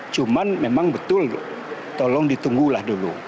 cuman memang betul tolong ditunggulah dulu